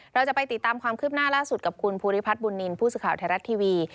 เราจะไปติดตามความคืบหน้าล่าสุดกับคุณภูริพัฒนบุญนินทร์ผู้สื่อข่าวไทยรัฐทีวี